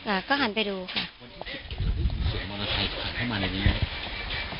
อ่าก็หันไปดูค่ะมอเตอร์ไซค์ผ่านเข้ามาในนี้